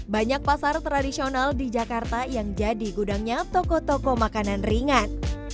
banyak pasar tradisional di jakarta yang jadi gudangnya toko toko makanan ringan